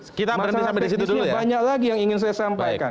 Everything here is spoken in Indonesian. masalah teknisnya banyak lagi yang ingin saya sampaikan